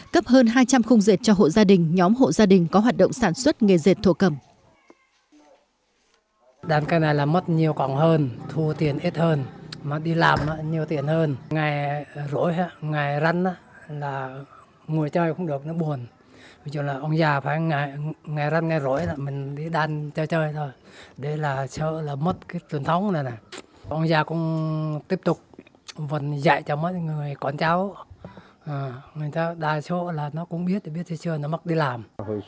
cho hộ gia đình nhóm hộ gia đình có hoạt động sản xuất nghề rệt thổ cầm